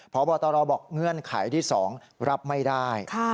พบตรบอกเงื่อนไขที่๒รับไม่ได้